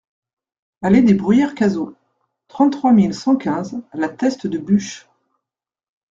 Allée des Bruyères Cazaux, trente-trois mille cent quinze La Teste-de-Buch